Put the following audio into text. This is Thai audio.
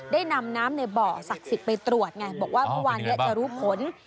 ได้นำน้ำในเบาะศักดิ์ศิษย์ไปตรวจไงบอกว่าวันนี้จะรู้ผล